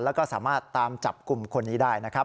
แล้วก็สามารถตามจับกลุ่มคนนี้ได้นะครับ